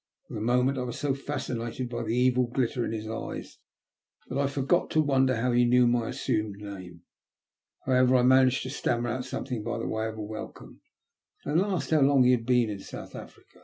For the moment I was so fascinated by the evil glitter in his eyes that I forgot to wonder how he knew my assumed name. However, I managed to stammer out something by way of a welcome, and then asked how long he had been in South Africa.